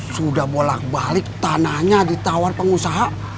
sudah bolak balik tanahnya ditawar pengusaha